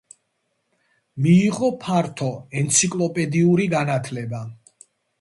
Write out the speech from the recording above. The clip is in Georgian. მიიღო ფართო ენციკლოპედიური განათლება.